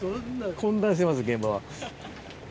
混乱してます現場は。